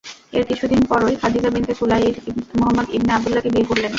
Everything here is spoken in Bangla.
এর কিছুদিন পরই খাদীজা বিনতে খুয়াইলিদ মুহাম্মাদ ইবনে আব্দুল্লাহকে বিয়ে করলেন।